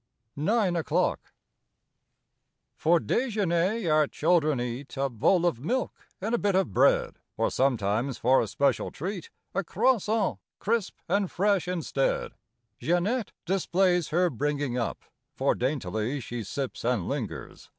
9 NINE O'CLOCK F or dejemier our children eat A bowl of milk and bit of bread; Or sometimes, for a special treat, A croissant, crisp and fresh, instead. Jeanette displays her bringing up. For daintily she sips and lingers.